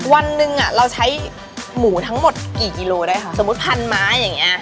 วันหนึ่งอ่ะเราใช้หมูทั้งหมดกี่กิโลได้ค่ะสมมุติพันไม้อย่างเงี้